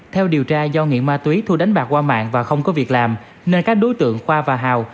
theo điều tra do nghiện ma túy thu đánh bạc qua mạng và không có việc làm nên các đối tượng khoa và hào